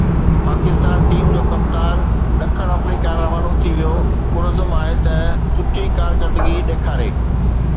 Pakistan team جو ڪپتان ڏکڻ آفريڪا روانو ٿي ويو، پرعزم آهي ته سٺي ڪارڪردگي ڏيکاري